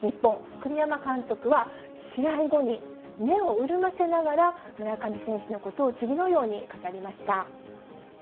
栗山監督は、試合後に目を潤ませながら、村上選手のことを次のように語りました。